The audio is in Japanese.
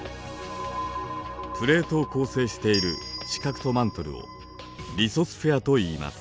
プレートを構成している地殻とマントルを「リソスフェア」といいます。